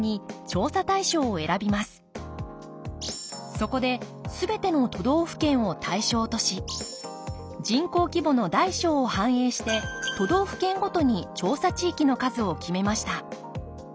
そこで全ての都道府県を対象とし人口規模の大小を反映して都道府県ごとに調査地域の数を決めました。